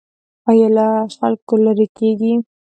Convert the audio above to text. ایا له خلکو لرې کیږئ؟